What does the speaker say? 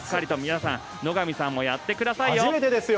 野上さんもやってくださいよ。